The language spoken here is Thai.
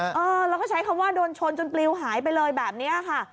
เออแล้วก็ใช้คำว่าโดนชนจนปลิวหายไปเลยแบบนี้ค่ะ